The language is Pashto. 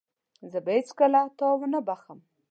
زه به هيڅکله تا ونه بخښم.